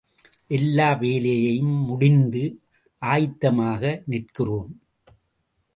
எல்லா வேலையும் முடிந்து ஆயத்தமாக நிற்கிறோம்.